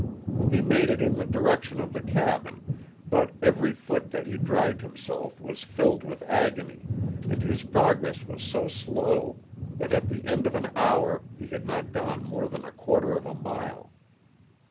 He made in the direction of the cabin, but every foot that he dragged himself was filled with agony, and his progress was so slow that at the end of an hour he had not gone more than a quarter of a mile.